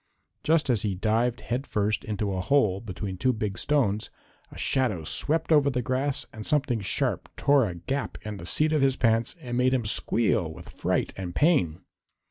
Just as he dived head first into a hole between two big stones, a shadow swept over the grass and something sharp tore a gap in the seat of his pants and made him squeal with fright and pain.